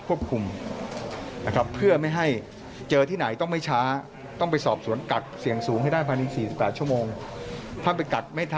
เชื้อสายพันธุ์แผ่งลักษณ์แต่ให้เสียงสูงในพื้นทางก็ได้